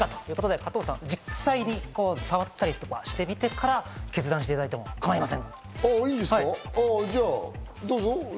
加藤さん、実際触ったりしてみてから決断していただいても構いません。